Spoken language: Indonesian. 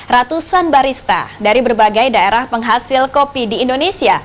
ratusan barista dari berbagai daerah penghasil kopi di indonesia